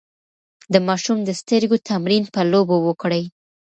د ماشوم د سترګو تمرين په لوبو وکړئ.